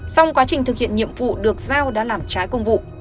xong quá trình thực hiện nhiệm vụ được giao đã làm trái công vụ